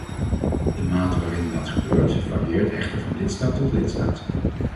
De mate waarin dat gebeurt, varieert echter van lidstaat tot lidstaat.